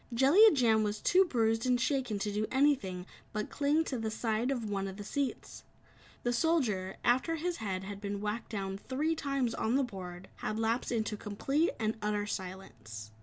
Jellia Jam was too bruised and shaken to do anything but cling to the side of one of the seats. The Soldier, after his head had been whacked down three times on the board had lapsed into complete and utter silence.